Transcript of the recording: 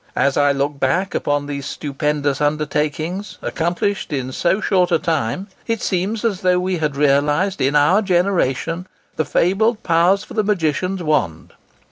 As I look back upon these stupendous undertakings, accomplished in so short a time, it seems as though we had realised in our generation the fabled powers of the magician's wand.